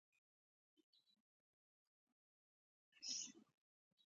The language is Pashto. د تړون له مخې یهودان د عبادت لپاره نه شي راتلی.